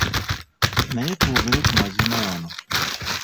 Naye twogere ku mazima wano.